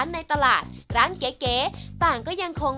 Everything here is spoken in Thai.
วันนี้ขอบคุณพี่อมนต์มากเลยนะครับ